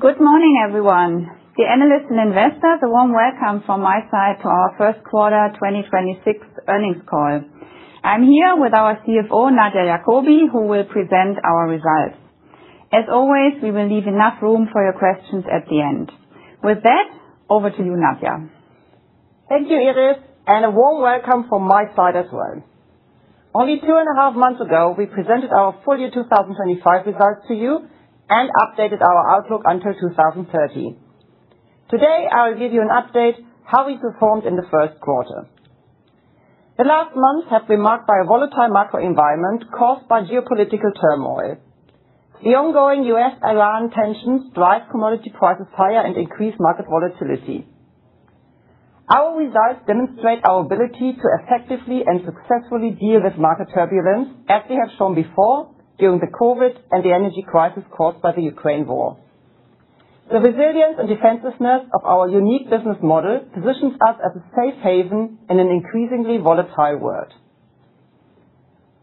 Good morning, everyone. The analysts and investors, a warm welcome from my side to our First quarter 2026 earnings call. I'm here with our CFO, Nadia Jakobi, who will present our results. As always, we will leave enough room for your questions at the end. With that, over to you, Nadia. Thank you, Iris, and a warm welcome from my side as well. Only two and a half months ago, we presented our full year 2025 results to you and updated our outlook until 2030. Today, I'll give you an update how we performed in the First quarter. The last month has been marked by a volatile macro environment caused by geopolitical turmoil. The ongoing US-Iran tensions drive commodity prices higher and increase market volatility. Our results demonstrate our ability to effectively and successfully deal with market turbulence, as we have shown before during the COVID and the energy crisis caused by the Ukraine war. The resilience and defensiveness of our unique business model positions us as a safe haven in an increasingly volatile world.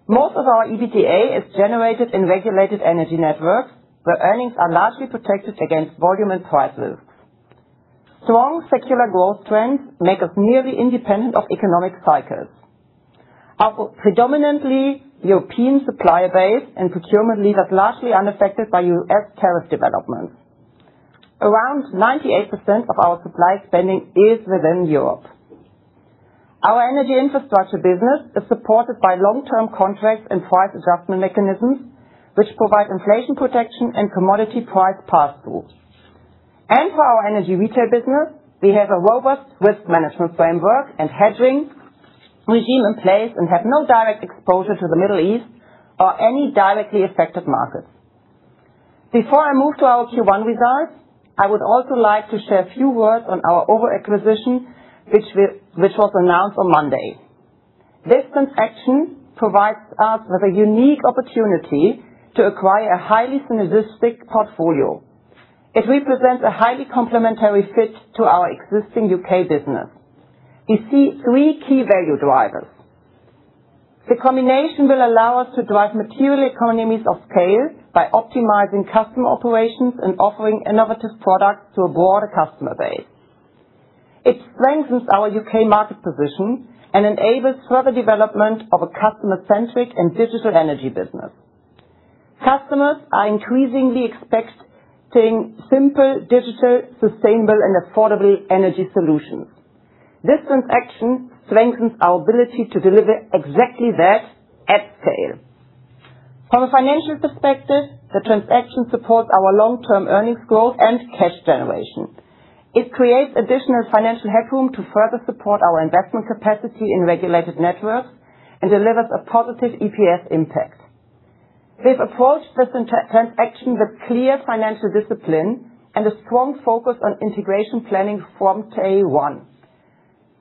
Most of our EBITDA is generated in regulated Energy Networks, where earnings are largely protected against volume and prices. Strong secular growth trends make us nearly independent of economic cycles. Our predominantly European supplier base and procurement leave us largely unaffected by U.S. tariff developments. Around 98% of our supply spending is within Europe. Our Energy Infrastructure Solutions business is supported by long-term contracts and price adjustment mechanisms, which provide inflation protection and commodity price pass-through. For our Energy Retail business, we have a robust risk management framework and hedging regime in place and have no direct exposure to the Middle East or any directly affected markets. Before I move to our Q1 results, I would also like to share a few words on our OVO acquisition, which was announced on Monday. This transaction provides us with a unique opportunity to acquire a highly synergistic portfolio. It represents a highly complementary fit to our existing U.K. business. We see three key value drivers. The combination will allow us to drive material economies of scale by optimizing customer operations and offering innovative products to a broader customer base. It strengthens our U.K. market position and enables further development of a customer-centric and digital energy business. Customers are increasingly expecting simple, digital, sustainable, and affordable energy solutions. This transaction strengthens our ability to deliver exactly that at scale. From a financial perspective, the transaction supports our long-term earnings growth and cash generation. It creates additional financial headroom to further support our investment capacity in regulated networks and delivers a positive EPS impact. We've approached this transaction with clear financial discipline and a strong focus on integration planning from day one.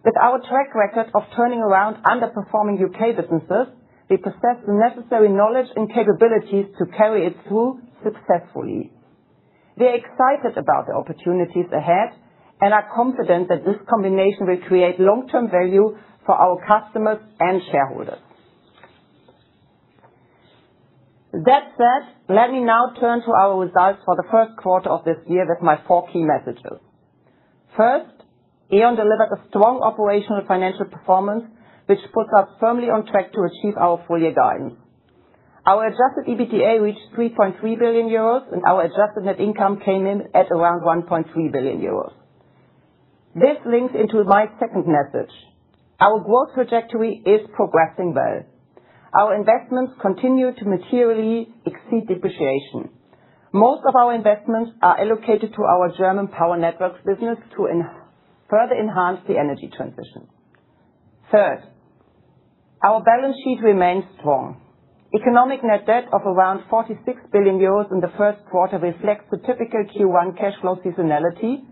With our track record of turning around underperforming U.K. businesses, we possess the necessary knowledge and capabilities to carry it through successfully. We are excited about the opportunities ahead and are confident that this combination will create long-term value for our customers and shareholders. Let me now turn to our results for the first quarter of this year with my four key messages. E.ON delivered a strong operational financial performance, which puts us firmly on track to achieve our full-year guidance. Our adjusted EBITDA reached 3.3 billion euros, our Adjusted Net Income came in at around 1.3 billion euros. This links into my second message. Our growth trajectory is progressing well. Our investments continue to materially exceed depreciation. Most of our investments are allocated to our German Energy Networks business to further enhance the energy transition. Our balance sheet remains strong. Economic net debt of around 46 billion euros in the first quarter reflects the typical Q1 cash flow seasonality,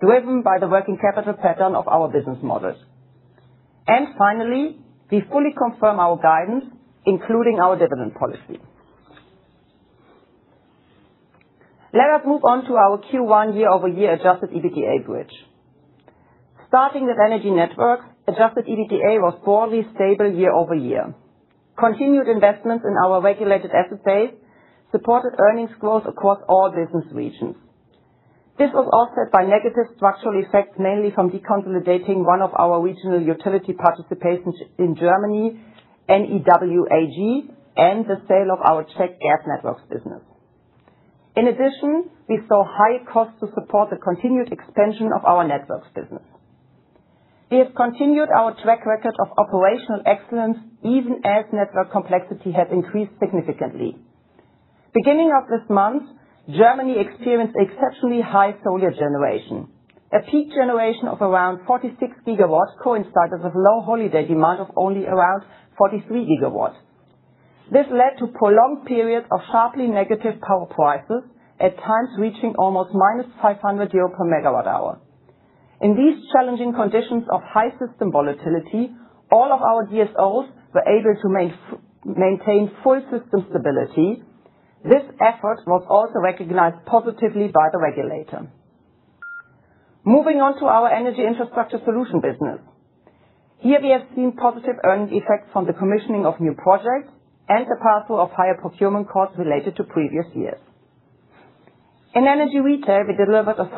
driven by the working capital pattern of our business models. Finally, we fully confirm our guidance, including our dividend policy. Let us move on to our Q1 year-over-year adjusted EBITDA bridge. Starting with Energy Networks, adjusted EBITDA was broadly stable year-over-year. Continued investments in our regulated asset base supported earnings growth across all business regions. This was offset by negative structural effects, mainly from deconsolidating one of our regional utility participations in Germany, NEWAG, and the sale of our Czech gas networks business. In addition, we saw higher costs to support the continued expansion of our networks business. We have continued our track record of operational excellence, even as network complexity has increased significantly. Beginning of this month, Germany experienced exceptionally high solar generation. A peak generation of around 46 GW coincided with low holiday demand of only around 43 GW. This led to prolonged periods of sharply negative power prices, at times reaching almost minus 500 euro per MWh. In these challenging conditions of high system volatility, all of our DSOs were able to maintain full system stability. This effort was also recognized positively by the regulator. Moving on to our Energy Infrastructure Solutions business. Here we have seen positive earnings effects from the commissioning of new projects and the partial of higher procurement costs related to previous years. In Energy Retail, we delivered a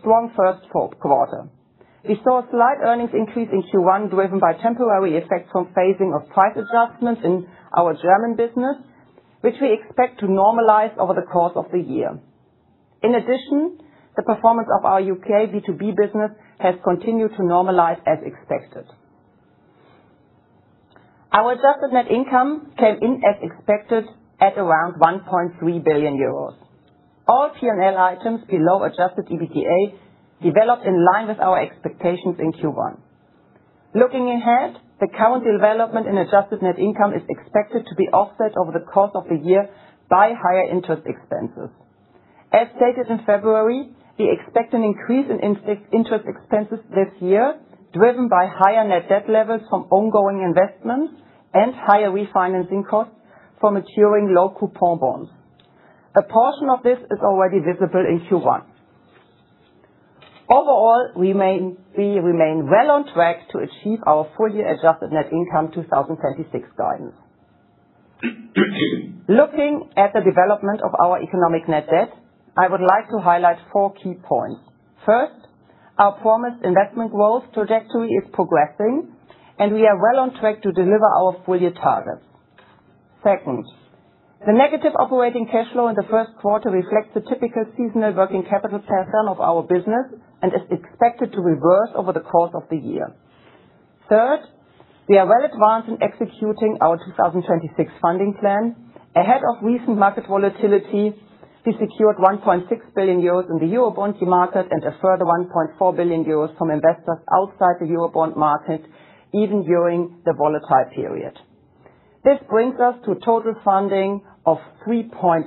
strong first fourth quarter. We saw slight earnings increase in Q1, driven by temporary effects from phasing of price adjustments in our German business, which we expect to normalize over the course of the year. In addition, the performance of our U.K. B2B business has continued to normalize as expected. Our Adjusted Net Income came in as expected at around 1.3 billion euros. All P&L items below adjusted EBITDA developed in line with our expectations in Q1. Looking ahead, the current development in Adjusted Net Income is expected to be offset over the course of the year by higher interest expenses. As stated in February, we expect an increase in interest expenses this year, driven by higher net debt levels from ongoing investments and higher refinancing costs for maturing low coupon bonds. A portion of this is already visible in Q1. Overall, we remain well on track to achieve our full-year Adjusted Net Income 2026 guidance. Looking at the development of our economic net debt, I would like to highlight four key points. First, our promised investment growth trajectory is progressing, and we are well on track to deliver our full-year targets. Second, the negative operating cash flow in the first quarter reflects the typical seasonal working capital pattern of our business and is expected to reverse over the course of the year. Third, we are well advanced in executing our 2026 funding plan. Ahead of recent market volatility, we secured 1.6 billion euros in the Eurobond market and a further 1.4 billion euros from investors outside the Eurobond market, even during the volatile period. This brings us to total funding of 3.3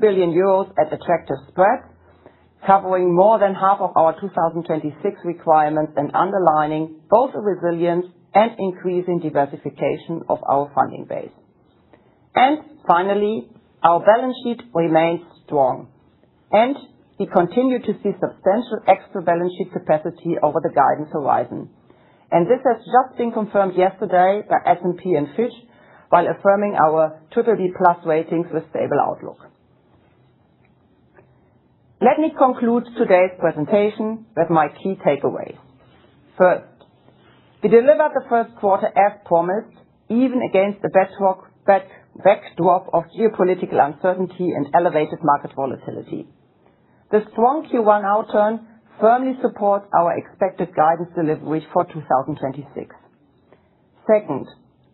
billion euros at attractive spreads, covering more than half of our 2026 requirements and underlining both the resilience and increasing diversification of our funding base. Finally, our balance sheet remains strong, and we continue to see substantial extra balance sheet capacity over the guidance horizon. This has just been confirmed yesterday by S&P and Fitch while affirming our totally plus ratings with stable outlook. Let me conclude today's presentation with my key takeaways. First, we delivered the first quarter as promised, even against the backdrop of geopolitical uncertainty and elevated market volatility. The strong Q1 outturn firmly supports our expected guidance deliveries for 2026. Second,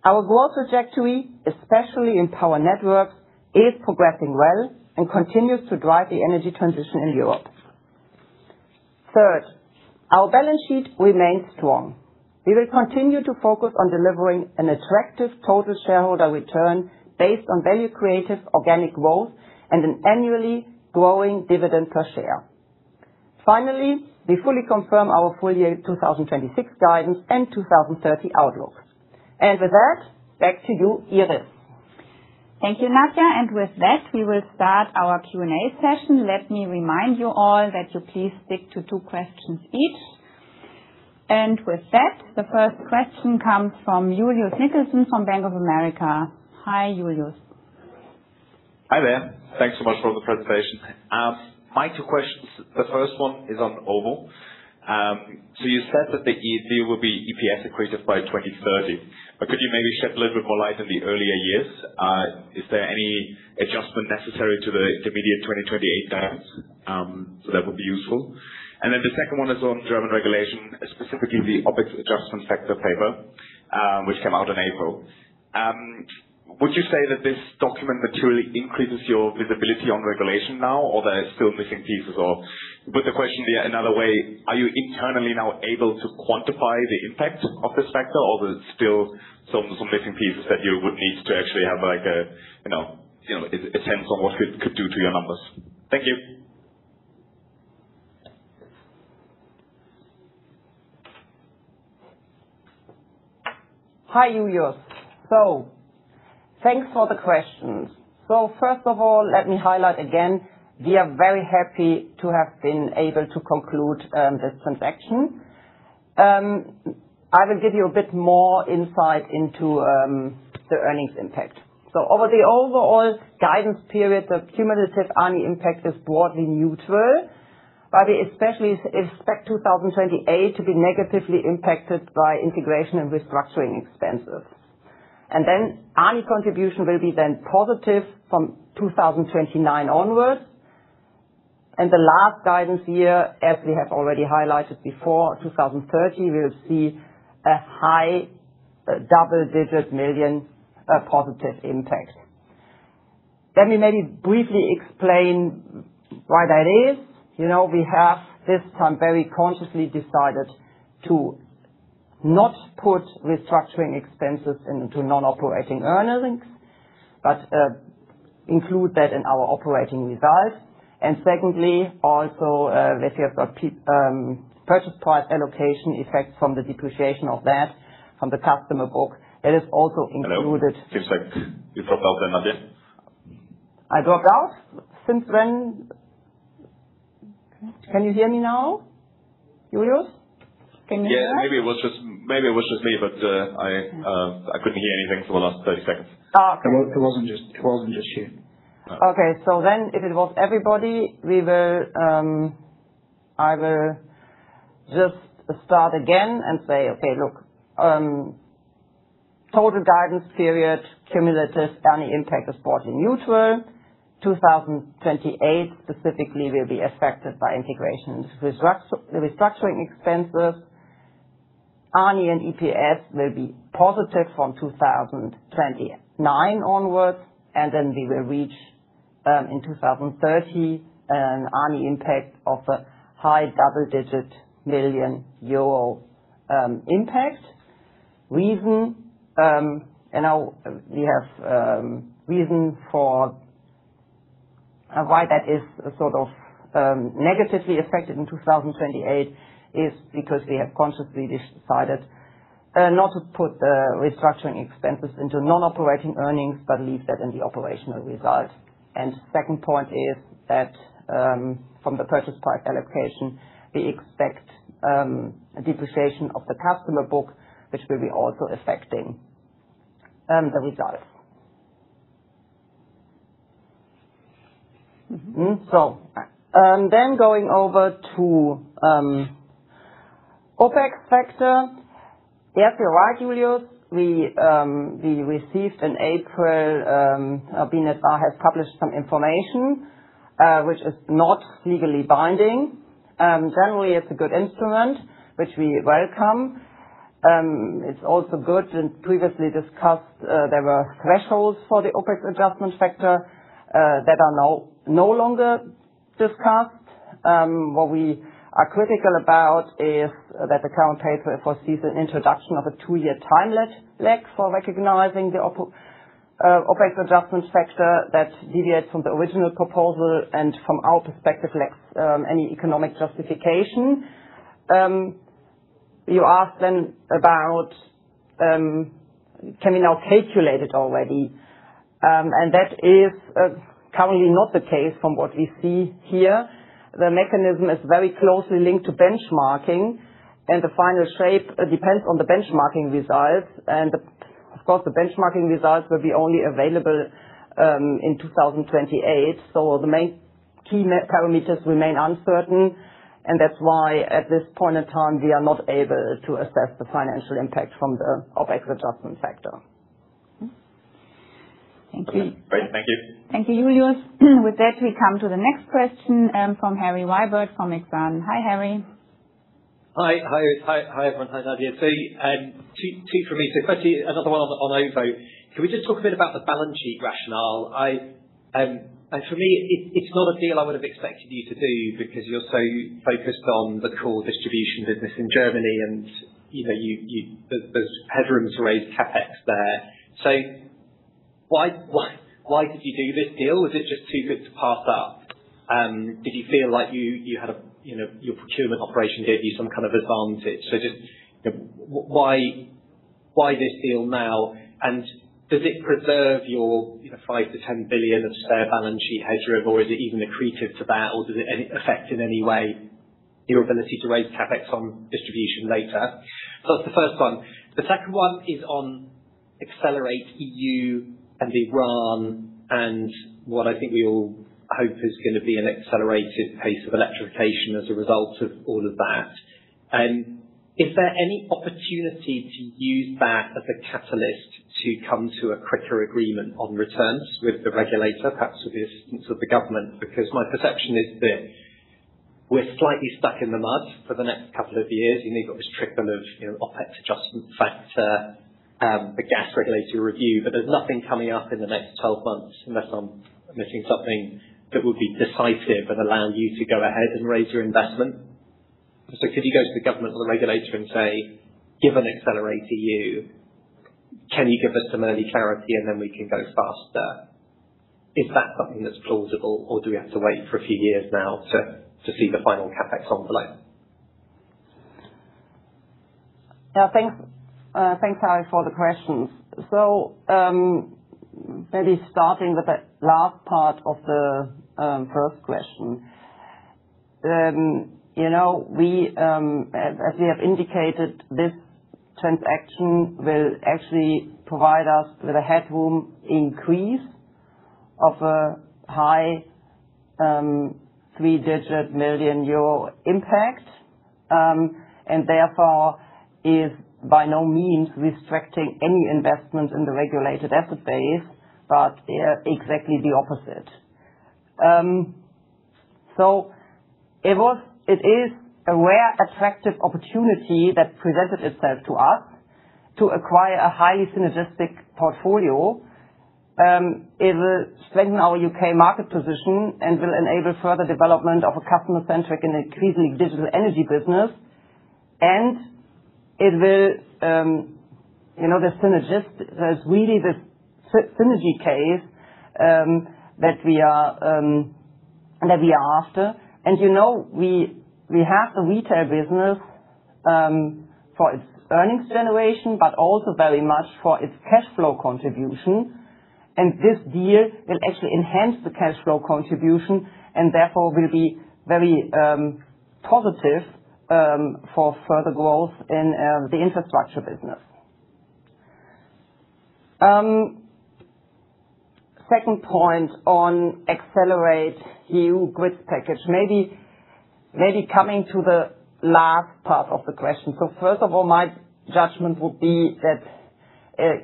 our growth trajectory, especially in Energy Networks, is progressing well and continues to drive the energy transition in Europe. Third, our balance sheet remains strong. We will continue to focus on delivering an attractive total shareholder return based on value-creative organic growth and an annually growing dividend per share. Finally, we fully confirm our full-year 2026 guidance and 2030 outlook. With that, back to you, Iris. Thank you, Nadia. With that, we will start our Q&A session. Let me remind you all that you please stick to two questions each. With that, the first question comes from Julius Nickelson from Bank of America. Hi, Julius. Hi there. Thanks so much for the presentation. My two questions, the first one is on OVO. You said that the deal will be EPS accretive by 2030, but could you maybe shed a little bit more light on the earlier years? Is there any adjustment necessary to the intermediate 2028 guidance? That would be useful. The second one is on German regulation, specifically the OPEX adjustment factor paper, which came out in April. Would you say that this document materially increases your visibility on regulation now, or there are still missing pieces of? To put the question in another way, are you internally now able to quantify the impact of this factor, or there's still some missing pieces that you would need to actually have like a, you know, a sense on what it could do to your numbers? Thank you. Hi, Julius. Thanks for the questions. First of all, let me highlight again, we are very happy to have been able to conclude this transaction. I will give you a bit more insight into the earnings impact. Over the overall guidance period, the cumulative annual impact is broadly neutral, but we especially expect 2028 to be negatively impacted by integration and restructuring expenses. Annual contribution will be then positive from 2029 onwards. The last guidance year, as we have already highlighted before, 2030, will see a high double-digit million positive impact. Let me maybe briefly explain why that is. You know, we have this time very consciously decided to not put restructuring expenses into non-operating earnings but include that in our operating results. Secondly, also, that we have got purchase price allocation effect from the depreciation of that from the customer book. That is also included- It seems like you forgot the end again. I dropped out? Since when? Can you hear me now, Julius? Can you hear? Yeah, maybe it was just me, but I couldn't hear anything for the last 30 seconds. Okay. It wasn't just you. Okay. If it was everybody, we will, I will just start again and say, okay, look, total guidance period cumulative earning impact is 40 neutral. 2028 specifically will be affected by integrations restructuring expenses. ANI and EPS will be positive from 2029 onwards, then we will reach in 2030, an ANI impact of a high double-digit million EUR impact. Reason, and now we have reason for why that is sort of negatively affected in 2028 is because we have consciously decided not to put the restructuring expenses into non-operating earnings but leave that in the operational results. Second point is that from the purchase price allocation, we expect a depreciation of the customer book, which will be also affecting the results. Then going over to OPEX factor. Yes, you're right, Julius. We received in April, Bundesnetzagentur has published some information, which is not legally binding. Generally, it's a good instrument, which we welcome. It's also good and previously discussed, there were thresholds for the OPEX adjustment factor that are now no longer discussed. What we are critical about is that the current paper foresees an introduction of a two-year time lag for recognizing the OPEX adjustment factor that deviates from the original proposal and from our perspective, lacks any economic justification. You asked then about, can we now calculate it already? That is currently not the case from what we see here. The mechanism is very closely linked to benchmarking, and the final shape depends on the benchmarking results. Of course, the benchmarking results will be only available in 2028. The main key parameters remain uncertain, and that's why at this point in time, we are not able to assess the financial impact from the OPEX adjustment factor. Thank you. Great. Thank you. Thank you, Julius. With that, we come to the next question, from Harry Wyburd from Exane. Hi, Harry. Hi everyone. Hi, Nadia. Two from me. Firstly, another one on OVO. Can we just talk a bit about the balance sheet rationale? And for me, it's not a deal I would have expected you to do because you're so focused on the core distribution business in Germany and, you know, you, there's headroom to raise CapEx there. Why did you do this deal? Was it just too good to pass up? Did you feel like you had a, you know, your procurement operation gave you some kind of advantage? Just, you know, why this deal now? And does it preserve your, you know, 5 billion-10 billion of spare balance sheet headroom or is it even accretive to that? Does it any effect in any way your ability to raise CapEx on distribution later? That's the first one. The second one is on AccelerateEU and E.ON and what I think we all hope is going to be an accelerated pace of electrification as a result of all of that. Is there any opportunity to use that as a catalyst to come to a quicker agreement on returns with the regulator, perhaps with the assistance of the government? My perception is that we're slightly stuck in the mud for the next couple of years. You know, you've got this trickle of, you know, OPEX adjustment factor, the gas regulatory review, but there's nothing coming up in the next 12 months, unless I'm missing something, that would be decisive and allow you to go ahead and raise your investment. Could you go to the government or the regulator and say, "Given AccelerateEU, can you give us some early clarity and then we can go faster?" Is that something that's plausible or do we have to wait for a few years now to see the final CapEx envelope? Thanks, Harry, for the questions. Maybe starting with the last part of the first question. You know, we, as we have indicated, this transaction will actually provide us with a headroom increase of a high, three-digit million EUR impact, and therefore is by no means restricting any investment in the regulated asset base, but exactly the opposite. It is a rare attractive opportunity that presented itself to us to acquire a highly synergistic portfolio. It will strengthen our U.K. market position and will enable further development of a customer-centric and increasingly digital energy business. It will, you know, the synergist, there's really this synergy case that we are after. You know, we have the retail business for its earnings generation, but also very much for its cash flow contribution. This deal will actually enhance the cash flow contribution and therefore will be very positive for further growth in the infrastructure business. Second point on AccelerateEU grid package. Maybe coming to the last part of the question. First of all, my judgment would be that,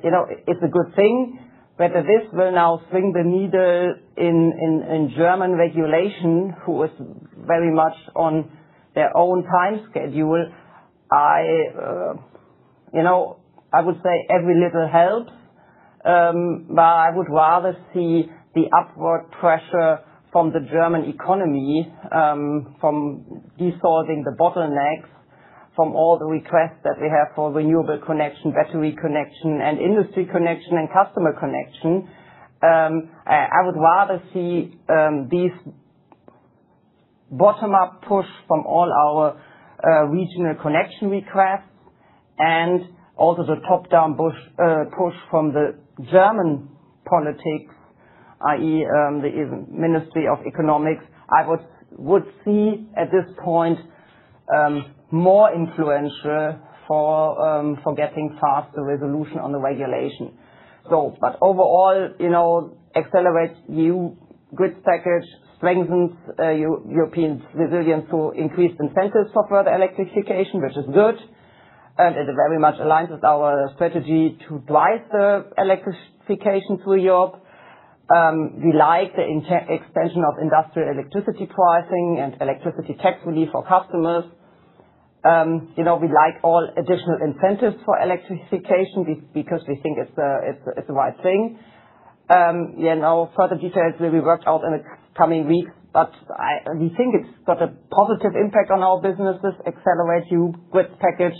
you know, it's a good thing, whether this will now swing the needle in German regulation, who is very much on their own time schedule. I, you know, I would say every little helps. But I would rather see the upward pressure from the German economy from dissolving the bottlenecks from all the requests that we have for renewable connection, battery connection, industry connection, and customer connection. I would rather see these bottom-up push from all our regional connection requests and also the top-down push from the German politics, i.e., the Ministry of Economics. I would see at this point more influential for getting faster resolution on the regulation. Overall, you know, AccelerateEU grid package strengthens European resilience to increase incentives for further electrification, which is good, and it very much aligns with our strategy to drive the electrification through Europe. We like the extension of industrial electricity pricing and electricity tax relief for customers. You know, we like all additional incentives for electrification because we think it's the right thing. You know, further details will be worked out in the coming weeks, but we think it's got a positive impact on our businesses AccelerateEU grid package,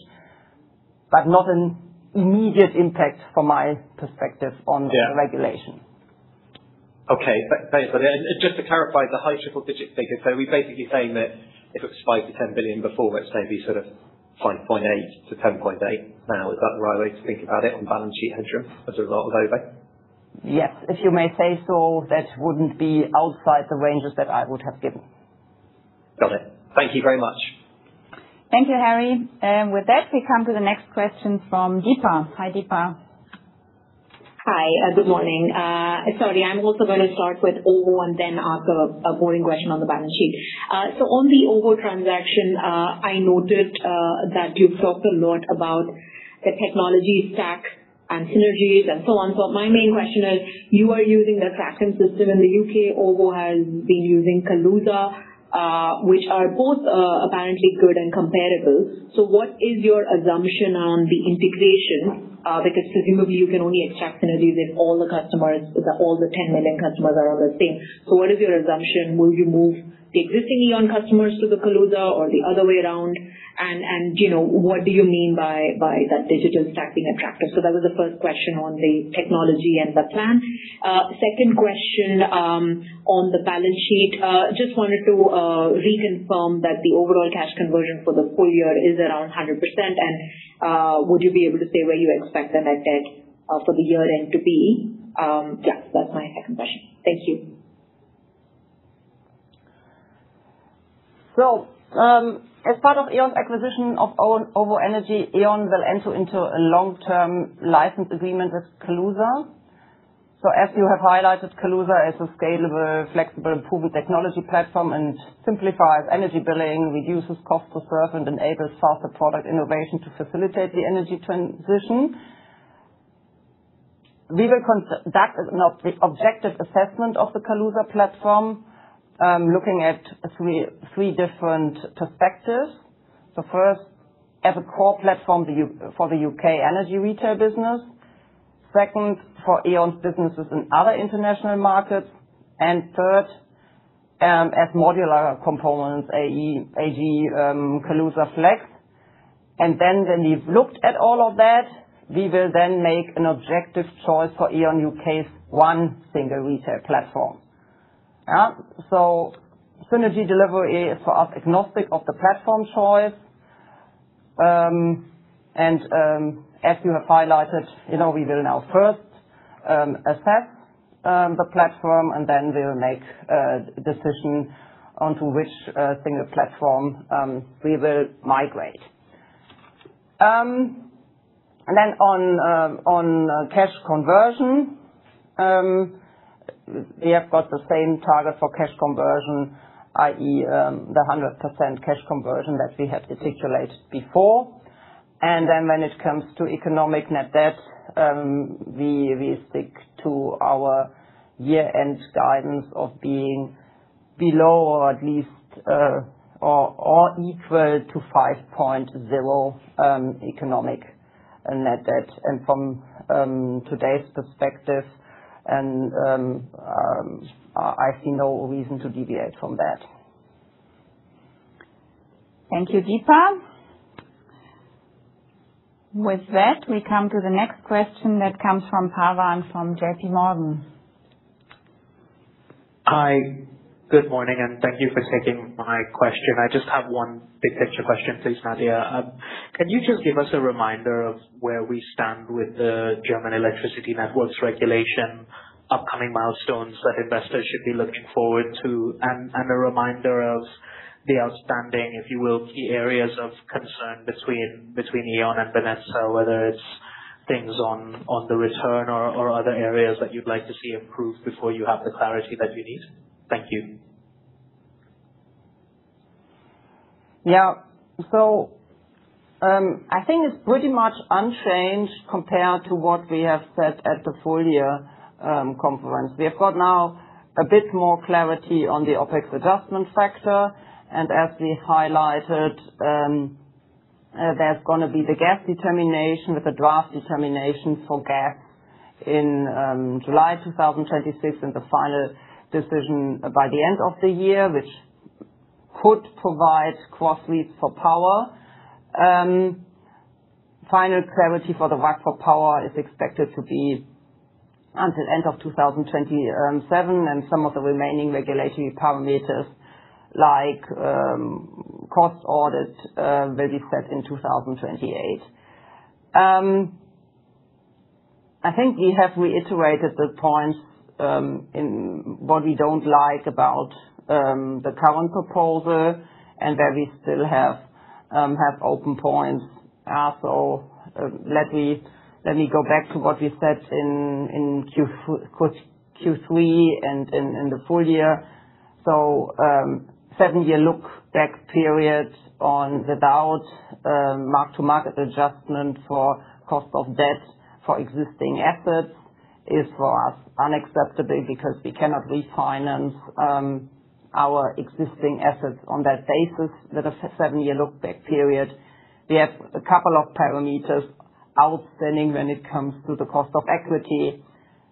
but not an immediate impact from my perspective on the regulation. Okay. Thanks for that. Just to clarify the high triple digit figures. Are we basically saying that if it was 5 billion-10 billion before, let's say it'd be sort of 5.8 billion-10.8 billion now. Is that the right way to think about it on balance sheet headroom as a result of OVO? Yes. If you may say so, that wouldn't be outside the ranges that I would have given. Got it. Thank you very much. Thank you, Harry. With that, we come to the next question from Deepa. Hi, Deepa. Hi, good morning. Sorry, I'm also going to start with OVO and then ask a boring question on the balance sheet. On the OVO transaction, I noted that you've talked a lot about the technology stack and synergies and so on. My main question is, you are using the Traxen system in the U.K. OVO has been using Kaluza, which are both apparently good and comparable. What is your assumption on the integration? Because presumably you can only extract synergies if all the customers, all the 10 million customers are on the same. What is your assumption? Will you move the existing E.ON customers to the Kaluza or the other way around? And, you know, what do you mean by that digital stack being attractive? That was the first question on the technology and the plan. Second question on the balance sheet. Just wanted to reconfirm that the overall cash conversion for the full year is around 100%. Would you be able to say where you expect the net debt for the year-end to be? Yeah, that's my second question. Thank you. As part of E.ON's acquisition of OVO Energy, E.ON will enter into a long-term license agreement with Kaluza. As you have highlighted, Kaluza is a scalable, flexible, proven technology platform and simplifies energy billing, reduces cost to serve, and enables faster product innovation to facilitate the energy transition. We will conduct the objective assessment of the Kaluza platform, looking at three different perspectives. First, as a core platform for the U.K. energy retail business. Second, for E.ON's businesses in other international markets. Third, as modular components, i.e., AG, Kaluza Flex. When we've looked at all of that, we will then make an objective choice for E.ON U.K.'s one single retail platform. Synergy delivery is for us agnostic of the platform choice. As you have highlighted, you know, we will now first assess the platform and then we'll make a decision onto which single platform we will migrate. Then on cash conversion, we have got the same target for cash conversion, i.e., the 100% cash conversion that we had articulated before. Then when it comes to economic net debt, we stick to our year-end guidance of being below or at least or equal to 5.0 economic net debt. From today's perspective, I see no reason to deviate from that. Thank you, Deepa. With that, we come to the next question that comes from Pawan from JP Morgan. Hi, good morning. Thank you for taking my question. I just have one big picture question, please, Nadia. Can you just give us a reminder of where we stand with the German electricity networks regulation, upcoming milestones that investors should be looking forward to? A reminder of the outstanding, if you will, key areas of concern between E.ON and Bundesnetzagentur, whether it's things on the return or other areas that you'd like to see improved before you have the clarity that you need. Thank you. Yeah. I think it's pretty much unchanged compared to what we have said at the full year conference. We have got now a bit more clarity on the OPEX adjustment factor. As we highlighted, there's gonna be the gas determination with a draft determination for gas in July 2026, and the final decision by the end of the year, which could provide cross leads for power. Final clarity for the WACC for power is expected to be until end of 2027, and some of the remaining regulation parameters, like cost of debt, will be set in 2028. I think we have reiterated the points in what we don't like about the current proposal and that we still have open points. Let me go back to what we said in Q3 and in the full year. A seven-year look-back period on the DSOs, mark-to-market adjustment for cost of debt for existing assets is, for us, unacceptable because we cannot refinance our existing assets on that basis with a seven-year look-back period. We have a couple of parameters outstanding when it comes to the cost of equity.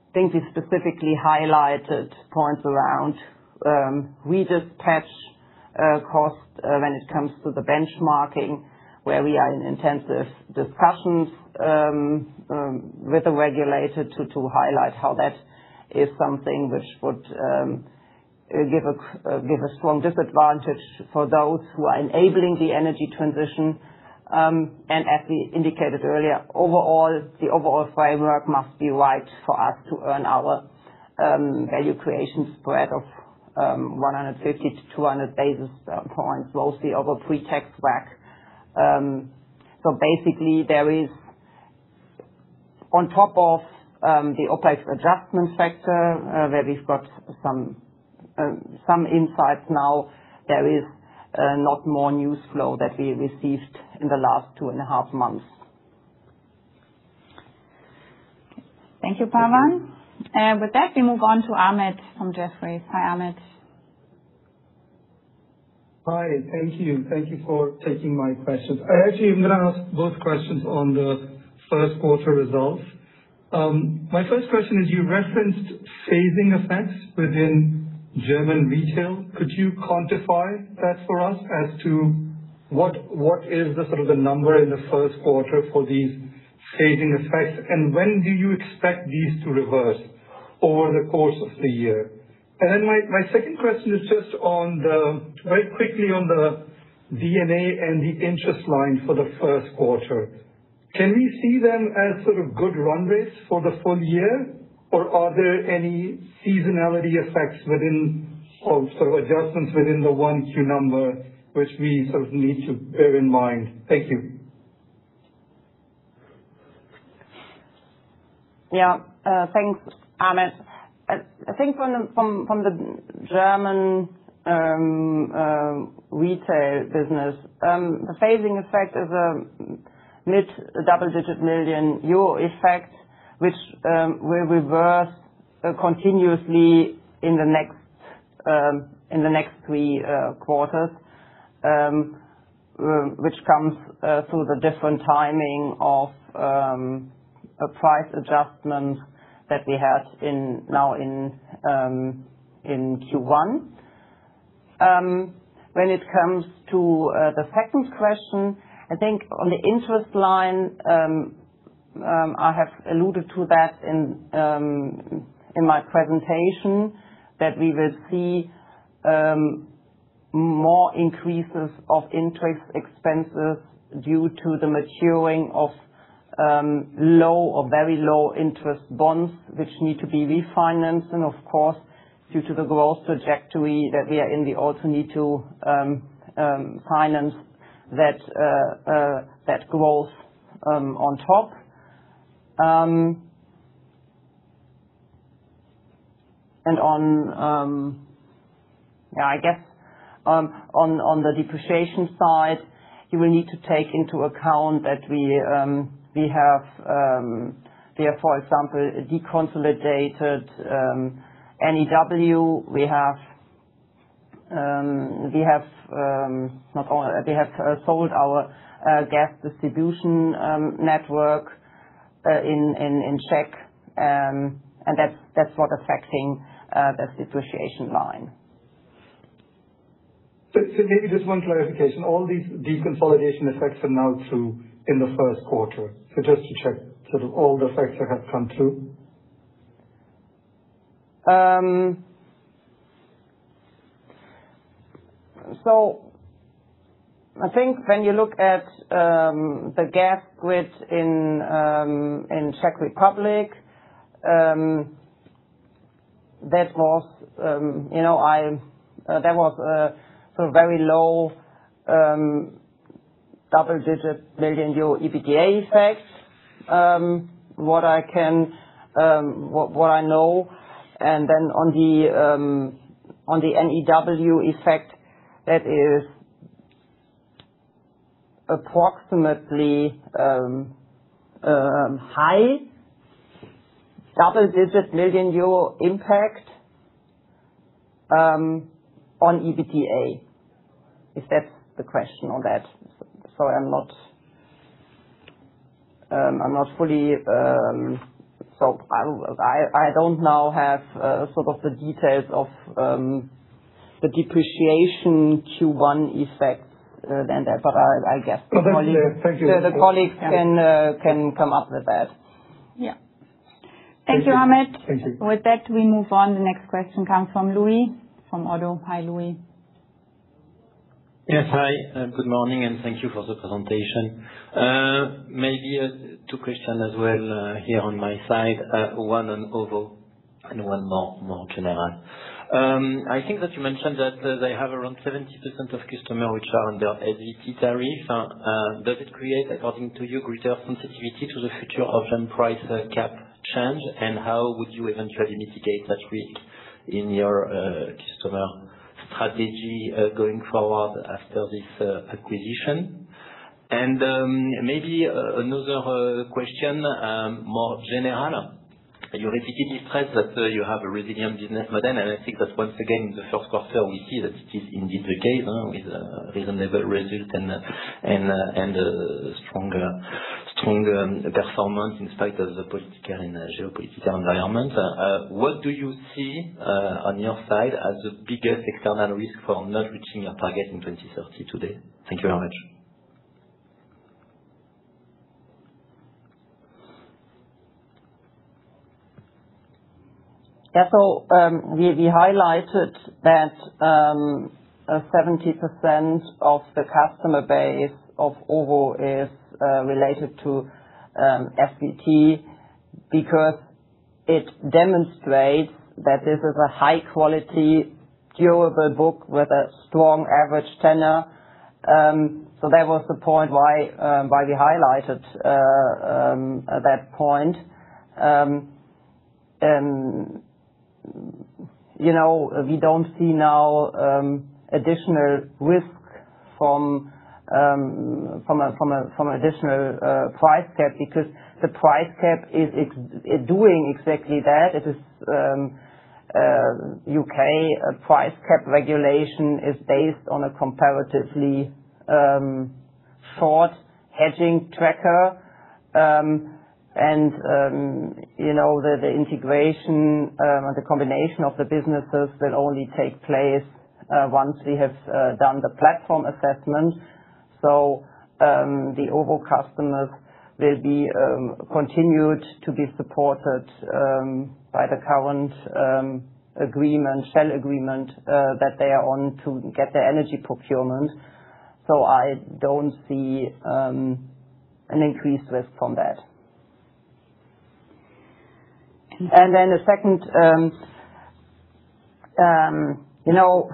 I think we specifically highlighted points around, we detach cost when it comes to the benchmarking, where we are in intensive discussions with the regulator to highlight how that is something which would give a strong disadvantage for those who are enabling the energy transition. As we indicated earlier, overall, the overall framework must be right for us to earn our value creation spread of 150 to 200 basis points mostly over pre-tax WACC. Basically, there is, on top of the OPEX adjustment factor, where we've got some insights now, there is lot more news flow that we received in the last two and a half months. Thank you, Pawan. With that, we move on to Amit from Jefferies. Hi, Amit. Hi. Thank you. Thank you for taking my questions. I actually am gonna ask both questions on the first quarter results. My first question is, you referenced phasing effects within German Retail. Could you quantify that for us as to what is the sort of the number in the first quarter for these phasing effects, and when do you expect these to reverse over the course of the year? My second question is just on the, very quickly on the D&A and the interest line for the first quarter. Can we see them as sort of good runways for the full year, or are there any seasonality effects within or sort of adjustments within the one Q number, which we sort of need to bear in mind? Thank you. Yeah. Thanks, Amit. I think from the German retail business, the phasing effect is a mid-double digit million EUR effect, which will reverse continuously in the next three quarters. Which comes through the different timing of a price adjustment that we had in Q1. When it comes to the second question, I think on the interest line, I have alluded to that in my presentation, that we will see more increases of interest expenses due to the maturing of low or very low interest bonds, which need to be refinanced. Of course, due to the growth trajectory that we are in, we also need to finance that growth on top. On the depreciation side, you will need to take into account that we have, for example, deconsolidated NEWAG. We have sold our gas distribution network in Czech, and that's what affecting that depreciation line. Maybe just one clarification. All these deconsolidation effects are now through in the first quarter. Just to check, sort of all the effects that have come through. I think when you look at the gas grid in Czech Republic, that was very low double-digit million EUR EBITDA effect. What I can, what I know. On the NEWAG effect, that is approximately a high double-digit million EUR impact on EBITDA. Is that the question on that? Sorry, I'm not, I'm not fully. I don't now have the details of the depreciation Q1 effects than that, but I'll guess. Okay. Thank you. The colleagues can come up with that. Yeah. Thank you, Amit. Thank you. With that, we move on. The next question comes from Louis, from Oddo. Hi, Louis. Yes. Hi, good morning, thank you for the presentation. Maybe two questions as well here on my side. One on OVO and one more general. I think that you mentioned that they have around 70% of customer which are under SVT tariff. Does it create, according to you, greater sensitivity to the future of price cap change? How would you eventually mitigate that risk in your customer strategy going forward after this acquisition? Maybe another question more general. You repeatedly stress that you have a resilient business model. I think that once again, in the 1st quarter, we see that it is indeed the case with a reasonable result and a stronger performance in spite of the political and geopolitical environment. What do you see, on your side as the biggest external risk for not reaching your target in 2030 today? Thank you very much. We highlighted that 70% of the customer base of OVO is related to SVT because it demonstrates that this is a high quality, durable book with a strong average tenure. That was the point why we highlighted that point. You know, we don't see now additional risk from additional price cap, because the price cap is doing exactly that. It is, U.K. price cap regulation is based on a comparatively short hedging tracker. You know, the integration or the combination of the businesses will only take place once we have done the platform assessment. The OVO customers will be continued to be supported by the current agreement, sale agreement, that they are on to get their energy procurement. I don't see an increased risk from that. The second, you know,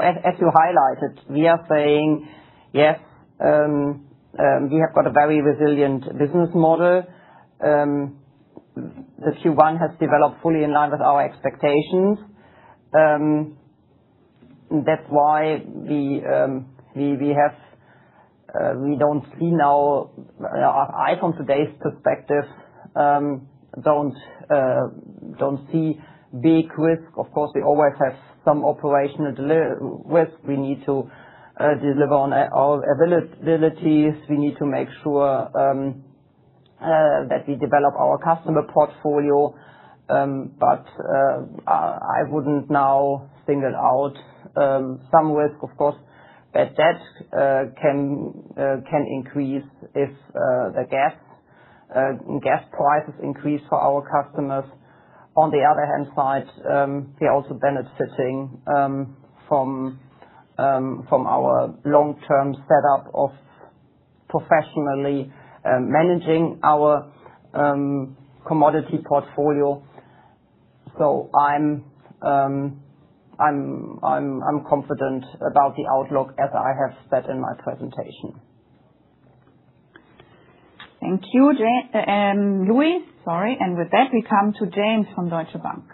as you highlighted, we are saying, yes, we have got a very resilient business model. The Q1 has developed fully in line with our expectations. That's why we have, we don't see now, I, from today's perspective, don't see big risk. Of course, we always have some operational risk. We need to deliver on our availabilities. We need to make sure that we develop our customer portfolio. But I wouldn't now single out some risk, of course. Bad debt can increase if the gas prices increase for our customers. On the other hand side, we're also benefiting from our long-term setup of professionally managing our commodity portfolio. I'm confident about the outlook as I have said in my presentation. Thank you, Louis. Sorry. With that, we come to James from Deutsche Bank.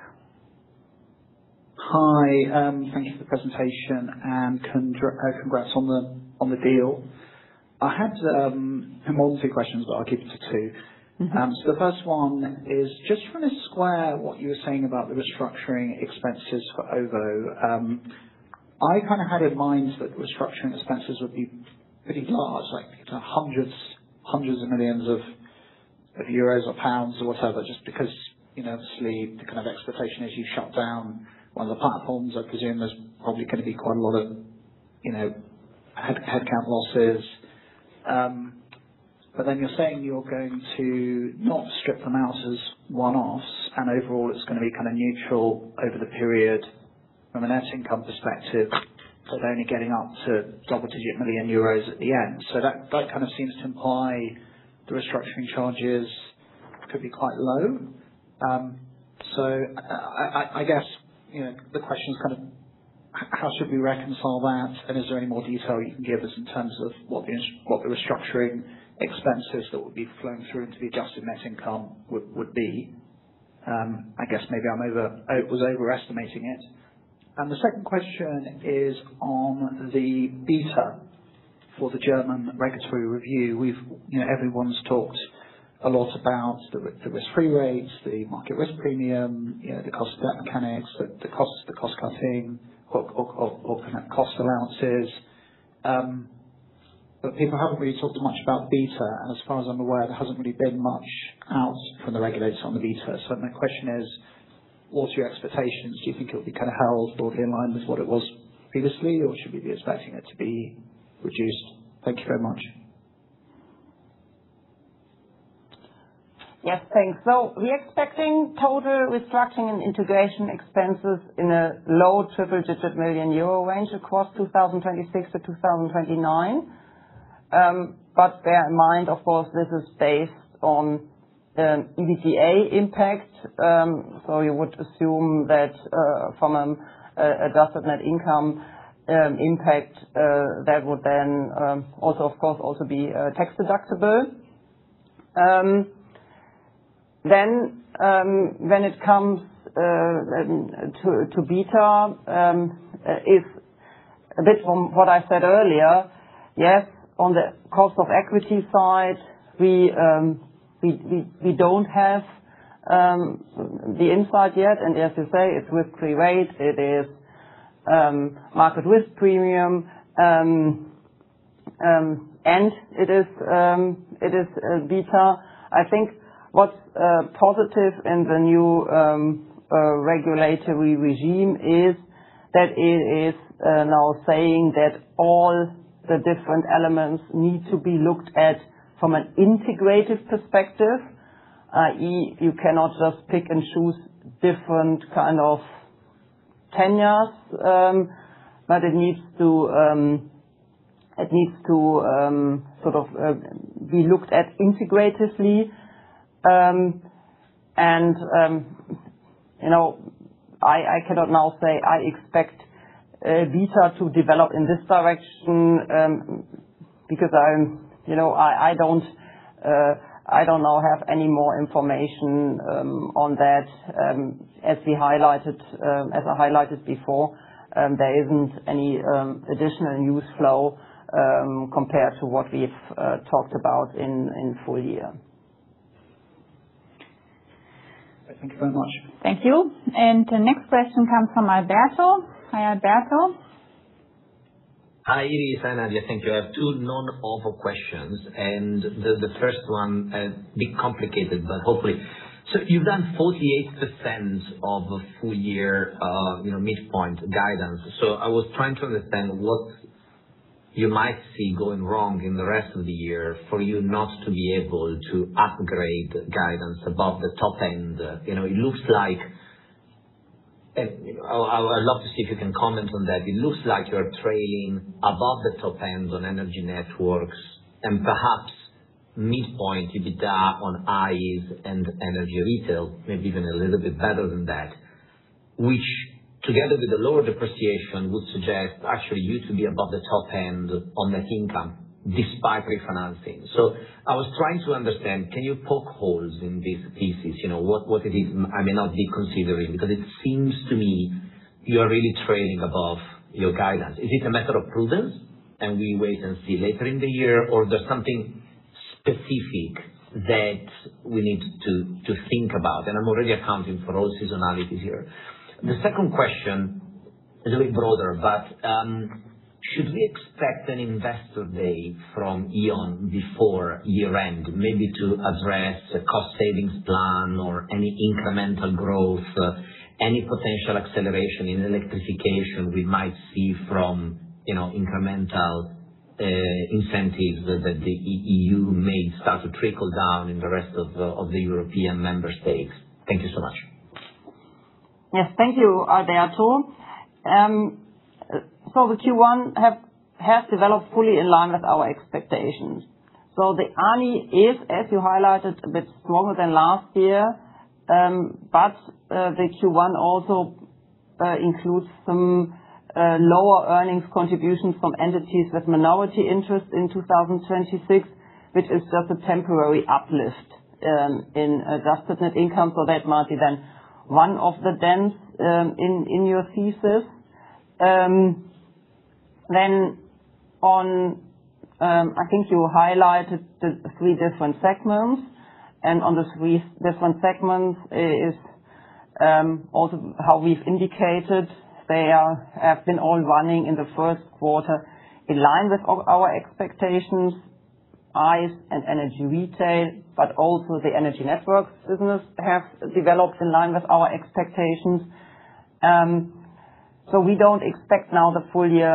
Hi. Thank you for the presentation and congrats on the deal. I had, well, two questions, but I'll keep it to two. The first one is just trying to square what you were saying about the restructuring expenses for OVO. I kind of had in mind that restructuring expenses would be pretty large, like hundreds of millions of EUR or GBP or whatever, just because, you know, obviously, the kind of expectation as you shut down one of the platforms, I presume there's probably gonna be quite a lot of, you know, headcount losses. You're saying you're going to not strip them out as one-offs, and overall, it's gonna be kind of neutral over the period from a net income perspective. They're only getting up to double-digit million EUR at the end. That kind of seems to imply the restructuring charges could be quite low. I, I guess, you know, the question is kind of how should we reconcile that, and is there any more detail you can give us in terms of what the restructuring expenses that would be flowing through into the Adjusted Net Income would be? I guess maybe I was overestimating it. The second question is on the beta for the German regulatory review. We've, you know, everyone's talked a lot about the risk-free rates, the market risk premium, you know, the cost of debt mechanics, the cost-cutting or kind of cost allowances. People haven't really talked much about beta, and as far as I'm aware, there hasn't really been much out from the regulators on the beta. My question is, what's your expectations? Do you think it'll be kind of held broadly in line with what it was previously, or should we be expecting it to be reduced? Thank you very much. Yes, thanks. We're expecting total restructuring and integration expenses in a low triple-digit million EUR range across 2026 to 2029. Bear in mind, of course, this is based on EBITDA impact. You would assume that from a Adjusted Net Income impact, that would then also of course be tax-deductible. When it comes to beta, if a bit from what I said earlier, yes, on the cost of equity side, we don't have the insight yet, and as you say, it's risk-free rate, it is market risk premium, and it is beta. I think what's positive in the new regulatory regime is that it is now saying that all the different elements need to be looked at from an integrated perspective. You cannot just pick and choose different kind of tenures, but it needs to be looked at integratively and, you know, I cannot now say I expect beta to develop in this direction, because I'm, you know, I don't now have any more information on that. As we highlighted, as I highlighted before, there isn't any additional news flow compared to what we've talked about in full year. Thank you very much. Thank you. The next question comes from Alberto. Hi, Alberto. Hi, Nadia Jakobi. Thank you. I have two non-offer questions, the first one a bit complicated, but hopefully. You've done 48% of full year, you know, midpoint guidance. I was trying to understand what you might see going wrong in the rest of the year for you not to be able to upgrade guidance above the top end. You know, it looks like I would love to see if you can comment on that. It looks like you're trading above the top end on Energy Networks and perhaps midpoint EBITDA on EIS and Energy Retail, maybe even a little bit better than that, which together with the lower depreciation, would suggest actually you to be above the top end on net income despite refinancing. I was trying to understand; can you poke holes in these pieces? You know, what it is I may not be considering? It seems to me you are really trading above your guidance. Is it a matter of prudence, and we wait and see later in the year, or there's something specific that we need to think about? I'm already accounting for all seasonality here. The second question is a bit broader, but should we expect an investor day from E.ON before year-end, maybe to address a cost savings plan or any incremental growth, any potential acceleration in electrification we might see from, you know, incremental incentives that the EU may start to trickle down in the rest of the European member states? Thank you so much. Yes. Thank you, Alberto. The Q1 has developed fully in line with our expectations. The ANI is, as you highlighted, a bit stronger than last year. The Q1 also includes some lower earnings contributions from entities with minority interest in 2026, which is just a temporary uplift in Adjusted Net Income for that market. I think you highlighted the three different segments. On the three different segments is also how we've indicated they have been all running in the first quarter in line with our expectations. EIS and Energy Retail, also the Energy Networks business have developed in line with our expectations. We don't expect now the full year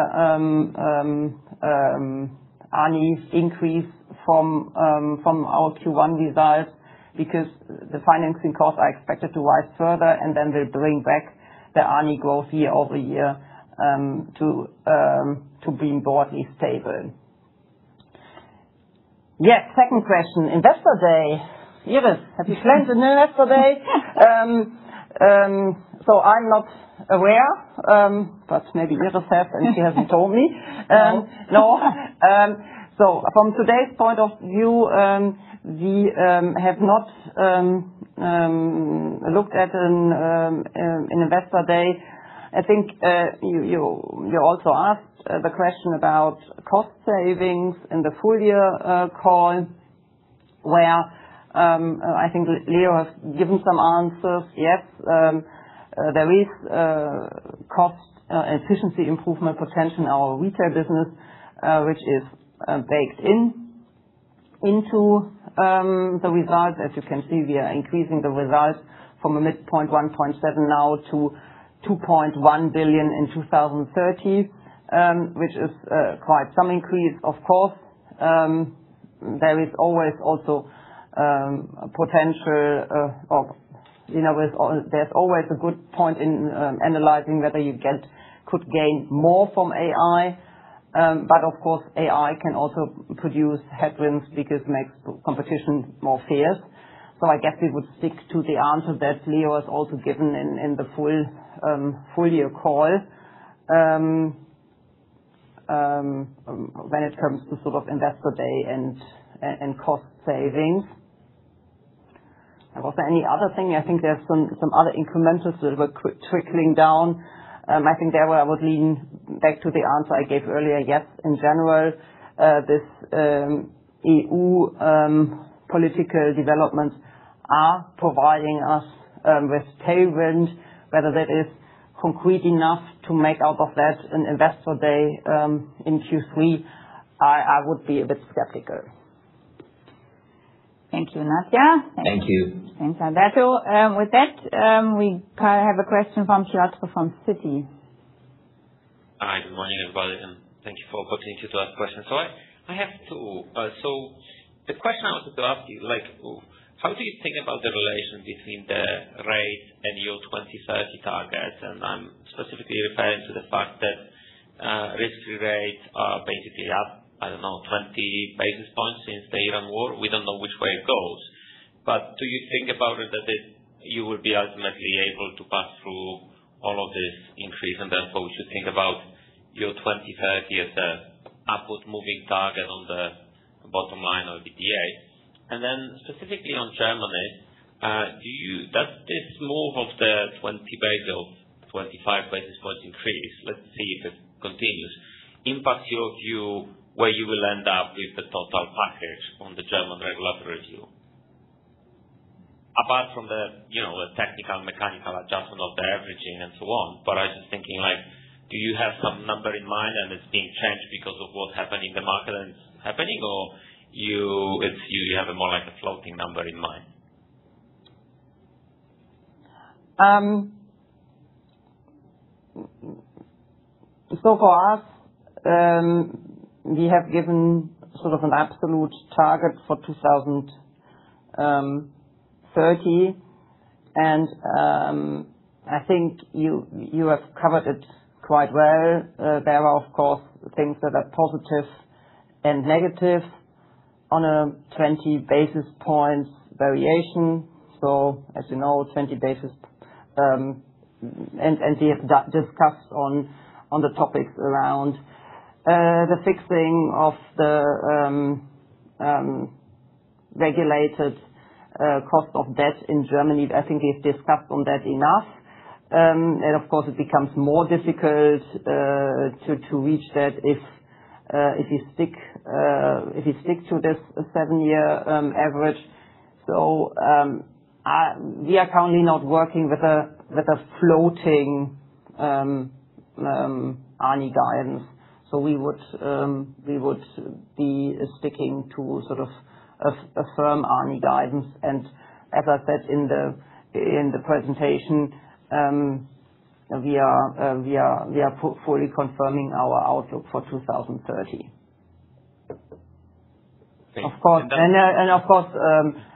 ANI increase from our Q1 results because the financing costs are expected to rise further, they bring back the ANI growth year-over-year to being broadly stable. Yes. Second question, Investor Day. Iris, have you planned an Investor Day? I'm not aware, but maybe Iris has and she hasn't told me. No. No. From today's point of view, we have not looked at an Investor Day. I think you also asked the question about cost savings in the full year call, where I think Leo has given some answers. Yes, there is cost efficiency improvement potential in our retail business, which is baked into the results. As you can see, we are increasing the results from a mid-point 1.7 billion now to 2.1 billion in 2030, which is quite some increase, of course. There is always also potential of, you know, There's always a good point in analyzing whether you could gain more from AI, but of course, AI can also produce headwinds because makes competition more fierce. I guess we would stick to the answer that Leo has also given in the full year call. When it comes to sort of Investor Day and cost savings. Was there any other thing? I think there's some other incrementals that were trickling down. I think there where I would lean back to the answer I gave earlier. Yes, in general, this EU political developments are providing us with tailwinds, whether that is concrete enough to make out of that an Investor Day in Q3, I would be a bit skeptical. Thank you, Nadia Jakobi. Thank you. Thanks, Alberto. With that, we have a question from Piotr from Citi. Hi. Good morning, everybody, and thank you for opportunity to ask questions. I have two. The question I wanted to ask you, like, how do you think about the relation between the rate and your 2030 target? I'm specifically referring to the fact that risk-free rates are basically up, I don't know, 20 basis points since the Iran war. We don't know which way it goes. Do you think about it that you will be ultimately able to pass through all of this increase and therefore we should think about your 2030 as a upward moving target on the bottom line of the E.ON? Specifically on Germany, does this move of the 20 basis or 25 basis points increase, let's see if it continues, impacts your view where you will end up with the total package on the German regulatory review? Apart from the, you know, the technical mechanical adjustment of the averaging and so on, I was just thinking like, do you have some number in mind and it's being changed because of what happened in the market and happening or you have a more like a floating number in mind? For us, we have given sort of an absolute target for 2030 and I think you have covered it quite well. There are of course, things that are positive and negative on a 20 basis points variation. As you know, 20 basis, and we have discussed on the topics around the fixing of the regulated cost of debt in Germany. I think we've discussed on that enough. And of course, it becomes more difficult to reach that if you stick, if you stick to this seven-year average. We are currently not working with a, with a floating ANI guidance. We would, we would be sticking to sort of a firm ANI guidance. As I said in the presentation, we are fully confirming our outlook for 2030. Thank you. Of course. Of course,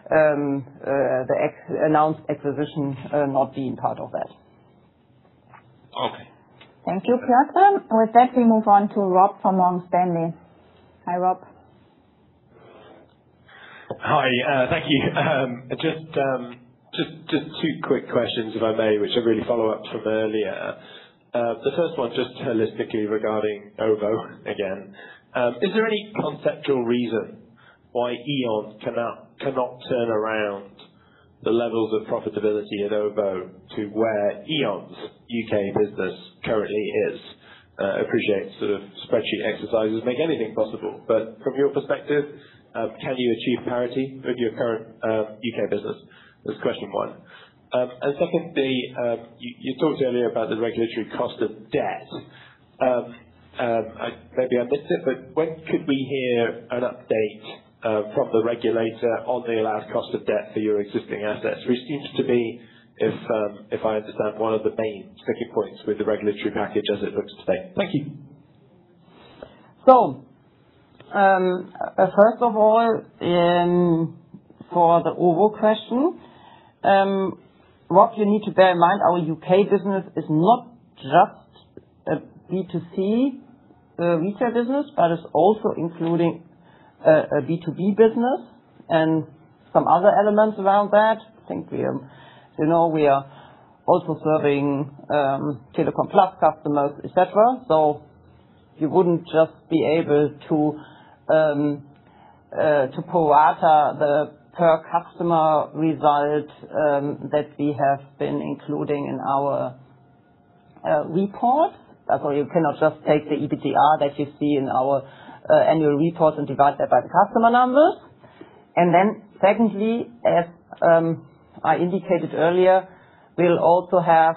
the announced acquisition not being part of that. Okay. Thank you, Piotr. With that, we move on to Rob from Morgan Stanley. Hi, Rob. Hi. Thank you. Just two quick questions, if I may, which are really follow-ups from earlier. The first one just holistically regarding OVO again. Is there any conceptual reason why E.ON cannot turn around the levels of profitability at OVO to where E.ON's U.K. business currently is. Appreciate sort of spreadsheet exercises make anything possible. From your perspective, can you achieve parity with your current U.K. business? That's question one. Secondly, you talked earlier about the regulatory cost of debt. Maybe I missed it, when could we hear an update from the regulator on the allowed cost of debt for your existing assets, which seems to be, if I understand, one of the main sticking points with the regulatory package as it looks today. Thank you. First of all, for the OVO question, Rob, you need to bear in mind our U.K. business is not just a B2C retail business, but it's also including a B2B business and some other elements around that. I think we, you know, we are also serving Telecom Plus customers, et cetera. You wouldn't just be able to pro rata the per customer result that we have been including in our report. That's why you cannot just take the EBITDA that you see in our annual report and divide that by the customer numbers. Secondly, as I indicated earlier, we'll also have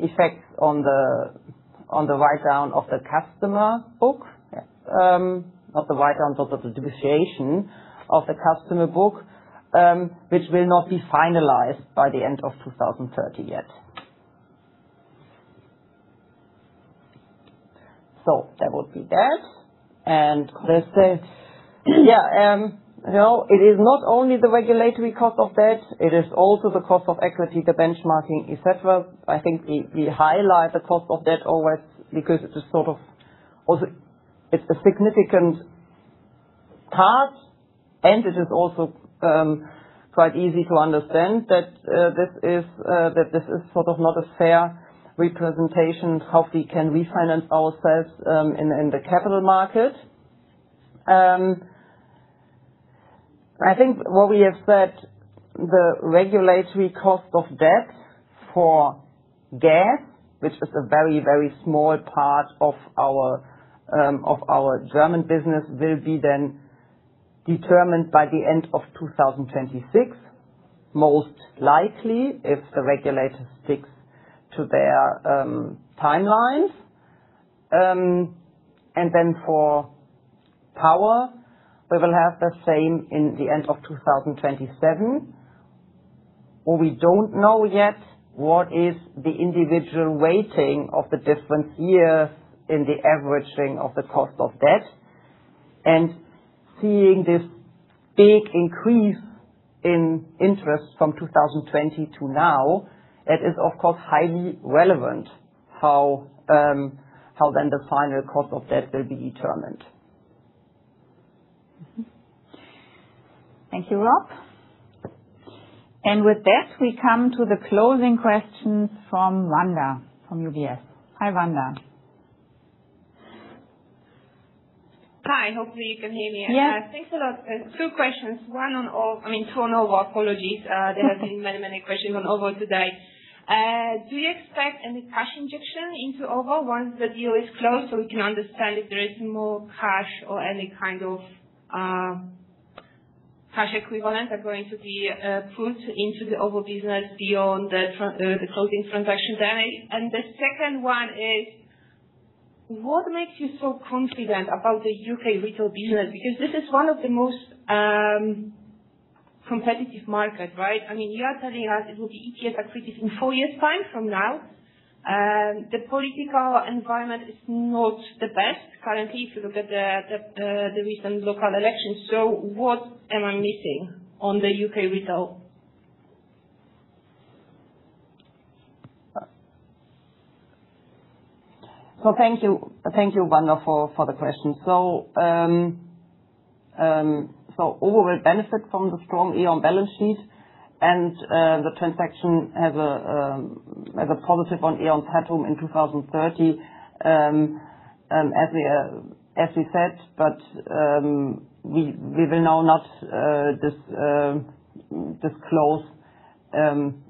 effects on the write down of the customer book. Not the write down, but of the depreciation of the customer book, which will not be finalized by the end of 2030 yet. That would be that. Let's say yeah, you know, it is not only the regulatory cost of debt, it is also the cost of equity, the benchmarking, et cetera. I think we highlight the cost of debt always because it is sort of also it's a significant part, and it is also quite easy to understand that this is that this is sort of not a fair representation of how we can refinance ourselves in the capital market. I think what we have said, the regulatory cost of debt for gas, which is a very, very small part of our German business, will be then determined by the end of 2026, most likely, if the regulator sticks to their timelines. Then for power, we will have the same in the end of 2027. What we don't know yet, what is the individual weighting of the different years in the averaging of the cost of debt. Seeing this big increase in interest from 2020 to now, it is of course highly relevant how then the final cost of debt will be determined. Thank you, Rob. With that, we come to the closing questions from Wanda, from UBS. Hi, Wanda. Hi. Hopefully you can hear me. Yeah. Thanks a lot. Two questions. One on OVO. I mean, two on OVO. Apologies. There have been many, many questions on OVO today. Do you expect any cash injection into OVO once the deal is closed, so we can understand if there is more cash or any kind of cash equivalent are going to be put into the OVO business beyond the closing transaction day? The second one is, what makes you so confident about the U.K. retail business? Because this is one of the most competitive markets, right? I mean, you are telling us it will be EBITDA-positive in four years time from now. The political environment is not the best currently, if you look at the recent local elections. What am I missing on the U.K. retail? Thank you. Thank you, Wanda, for the question. OVO will benefit from the strong E.ON balance sheet and the transaction has a positive on E.ON's pattern in 2030, as we said. We will now not disclose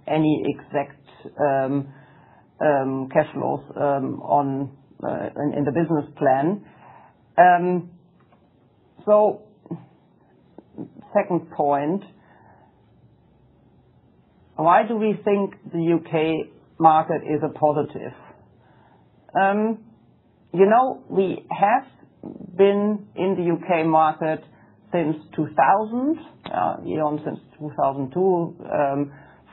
any exact cash flows in the business plan. Second point, why do we think the U.K. market is a positive? You know, we have been in the U.K. market since 2000, E.ON since 2002.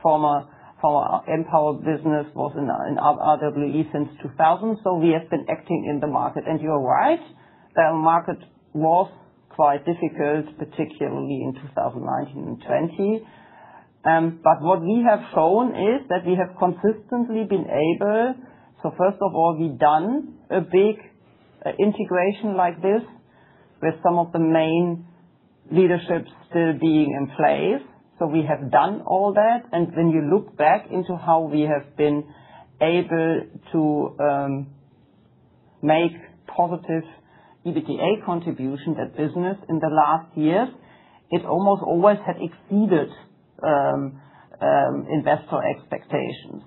Former Npower business was in RWE since 2000. We have been acting in the market. You're right, the market was quite difficult, particularly in 2019 and 2020. What we have shown is that we have consistently been able. First of all, we've done a big integration like this with some of the main leadership still being in place. We have done all that. When you look back into how we have been able to make positive EBITDA contribution that business in the last year, it almost always had exceeded investor expectations.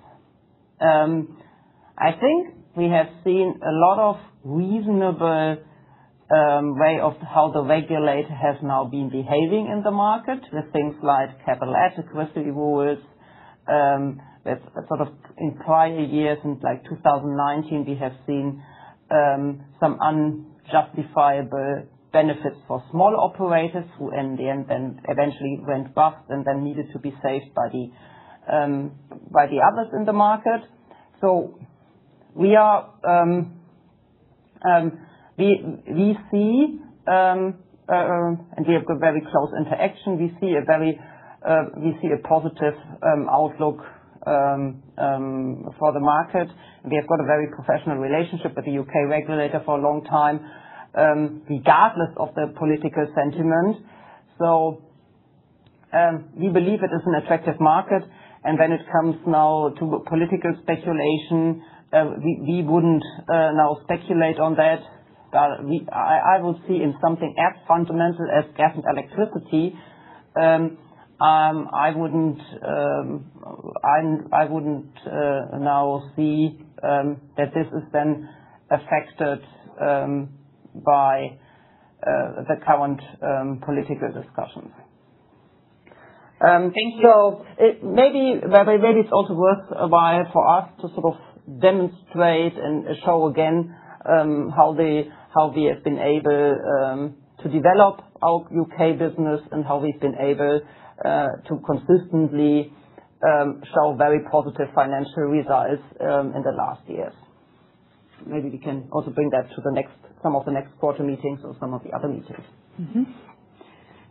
I think we have seen a lot of reasonable way of how the regulator has now been behaving in the market with things like capital adequacy rules. That sort of in prior years, since like 2019, we have seen some unjustifiable benefits for small operators who in the end then eventually went bust and then needed to be saved by the others in the market. We are, we see, and we have got very close interaction. We see a very, we see a positive outlook for the market. We have got a very professional relationship with the U.K. regulator for a long time, regardless of the political sentiment. We believe it is an attractive market, and when it comes now to political speculation, we wouldn't now speculate on that. I would see in something as fundamental as gas and electricity, I wouldn't now see that this is then affected by the current political discussions. Thank you. It maybe it's also worth a while for us to sort of demonstrate and show again, how we have been able to develop our U.K. business and how we've been able to consistently show very positive financial results in the last years. Maybe we can also bring that to the next, some of the next quarter meetings or some of the other meetings.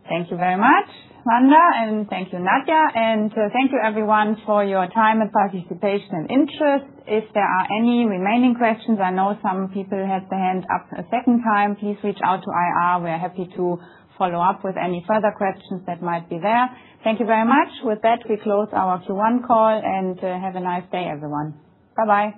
Thank you very much, Wanda, and thank you, Nadia, and thank you everyone for your time and participation and interest. If there are any remaining questions, I know some people had their hand up a second time, please reach out to IR. We are happy to follow up with any further questions that might be there. Thank you very much. With that, we close our Q1 call and have a nice day, everyone. Bye-bye.